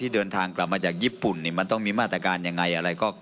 ที่เดินทางกลับมาจากญี่ปุ่นมันต้องมีมาตรการอย่างไร